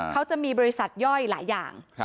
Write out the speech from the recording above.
เขาจะมีบริษัทย่อยหลายอย่าง